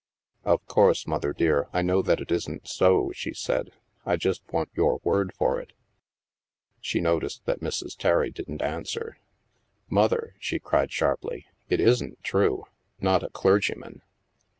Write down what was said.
"Of course. Mother dear, I know that it isn't so," she said. " I just want your word for it." She noticed that Mrs. Terry didn't answer. " Mother," she cried sharply, " it isn't true? Not a clergyman